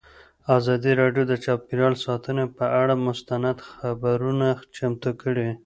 ازادي راډیو د چاپیریال ساتنه پر اړه مستند خپرونه چمتو کړې.